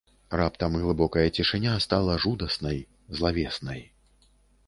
Раптам глыбокая цішыня стала жудаснай, злавеснай.